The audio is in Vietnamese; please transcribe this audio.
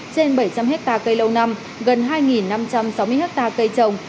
trên bảy trăm linh hectare cây lâu năm gần hai năm trăm sáu mươi hectare cây trồng